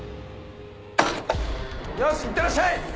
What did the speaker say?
よしいってらっしゃい。